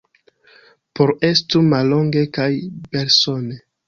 Por estu mallonge kaj belsone.